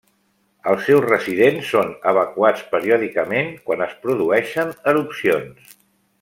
Els seus residents són evacuats periòdicament, quan es produeixen erupcions.